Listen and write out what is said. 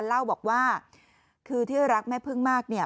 เล่าบอกว่าคือที่รักแม่พึ่งมากเนี่ย